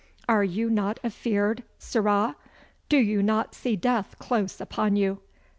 Are you not afeared, sirrah? Do you not see death close upon you?